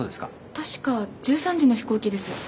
確か１３時の飛行機です。